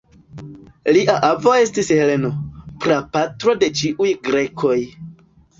Lia avo estis Heleno, prapatro de ĉiuj grekoj.